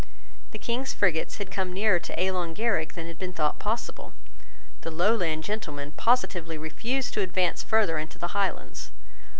The King's frigates had come nearer to Ealan Ghierig than had been thought possible. The Lowland gentlemen positively refused to advance further into the Highlands.